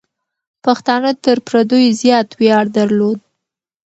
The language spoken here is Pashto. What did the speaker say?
پښتانه تر پردیو زیات ویاړ درلود.